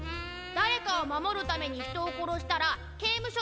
誰かを守るために人を殺したら刑務所に入るんですかぁ？